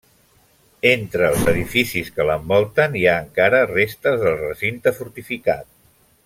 Entre els edificis que l'envolten hi ha encara restes del recinte fortificat.